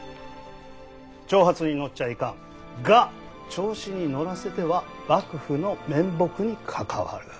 挑発に乗っちゃいかんが調子に乗らせては幕府の面目に関わる。